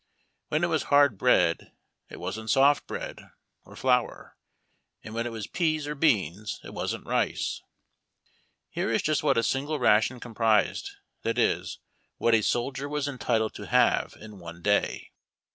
When it was hard bread, it wasn't soft bread or flour, and when it was pease or beans it wasn't rice. Here is just what a single ration comprised, that is, what a soldier was entitled to have in one day.